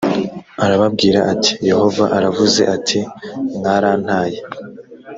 arababwira ati yehova aravuze ati mwarantaye